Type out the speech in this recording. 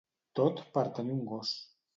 Tot per tenir un gos.